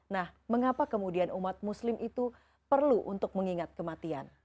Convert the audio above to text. nah mengapa kemudian umat muslim itu perlu untuk mengingat kematian